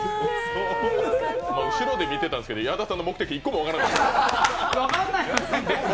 後ろで見てたんですけど矢田さんの目的、一個も分からなかった。